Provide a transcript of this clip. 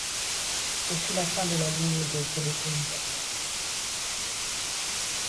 Ce fut la fin de la ligne de télécommunication.